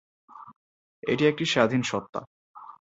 এটি একটি স্বাধীন সত্ত্বা।